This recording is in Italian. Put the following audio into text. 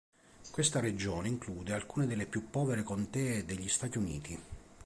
Questa regione include alcune delle più povere contee degli Stati Uniti.